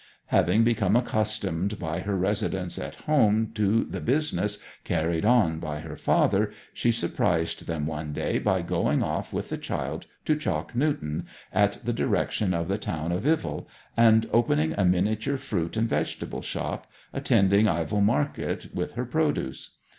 Having become accustomed by her residence at home to the business carried on by her father, she surprised them one day by going off with the child to Chalk Newton, in the direction of the town of Ivell, and opening a miniature fruit and vegetable shop, attending Ivell market with her produce.